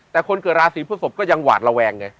แต่คนเกิดราศีพฤศพก็ยังหวาดระแวงไง